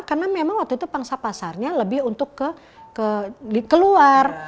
karena memang waktu itu pangsa pasarnya lebih untuk keluar